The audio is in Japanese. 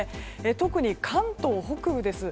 特に関東北部です。